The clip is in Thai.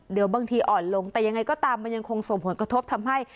เดี๋ยวบางทีอ่อนลงแต่ยังไงก็ตามมันยังคงส่งผลกระทบทำให้